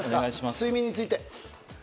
睡眠について。